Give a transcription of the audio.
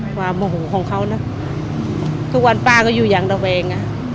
โมโหของเขานะทุกวันป้าก็อยู่อย่างระแวงนะ